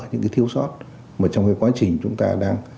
những cái thiếu sót mà trong cái quá trình chúng ta đang